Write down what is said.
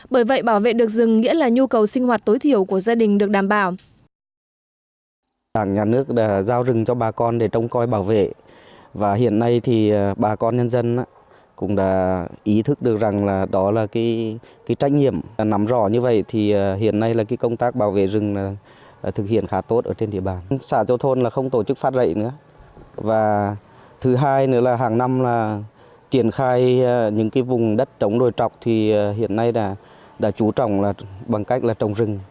bởi vậy bảo vệ được rừng nghĩa là nhu cầu sinh hoạt tối thiểu của gia đình được đảm bảo